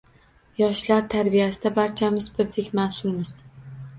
Yoshlar tarbiyasida barchamiz birdek mas’ulmiz